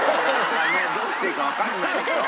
どうしていいかわかんないんでしょ？